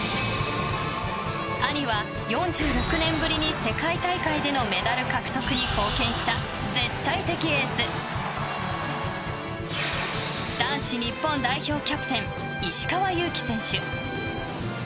兄は、４６年ぶりに世界大会でのメダル獲得に貢献した絶対的エース男子日本代表キャプテン石川祐希選手。